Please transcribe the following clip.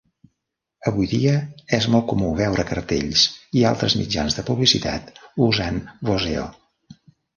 Avui dia és molt comú veure cartells i altres mitjans de publicitat usant "voseo".